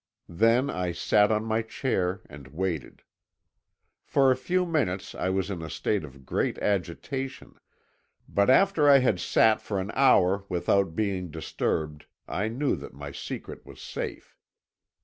Then I sat on my chair and waited. For a few minutes I was in a state of great agitation, but after I had sat for an hour without being disturbed I knew that my secret was safe.